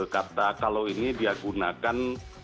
kata kalau ini dia mengandalkan sesuatu yang jika kita lihat